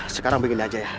sekarang begini aja ya